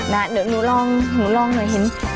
เดี๋ยวหนูลองหนูลองหน่อยเห็น